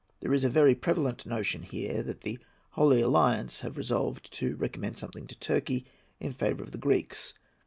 There is a very prevalent notion here that the (Holy) Alliance have resolved to recommend something to Turkey in favour of the Greeks.